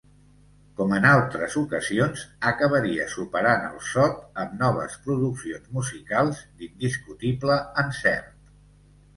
Com en altres ocasions, acabaria superant el sot amb noves produccions musicals d'indiscutible encert.